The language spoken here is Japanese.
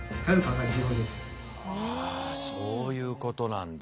あそういうことなんだ。